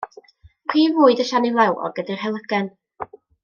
Prif fwyd y siani flewog ydy'r helygen.